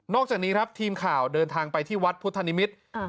จากนี้ครับทีมข่าวเดินทางไปที่วัดพุทธนิมิตร